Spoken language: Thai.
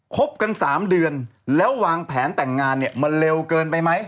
บกัน๓เดือนแล้ววางแผนแต่งงานเนี่ยมันเร็วเกินไปไหม